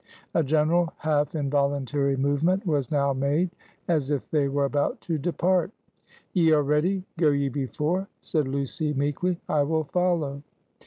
A general half involuntary movement was now made, as if they were about to depart. "Ye are ready; go ye before" said Lucy meekly; "I will follow."